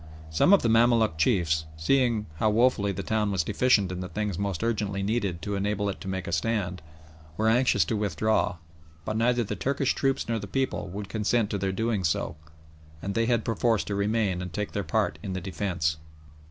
Some of the Mamaluk chiefs, seeing how woefully the town was deficient in the things most urgently needed to enable it to make a stand, were anxious to withdraw, but neither the Turkish troops nor the people would consent to their doing so, and they had perforce to remain and take their part in the defence.